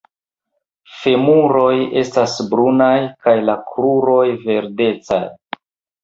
La femuroj estas brunaj kaj la kruroj verdecaj.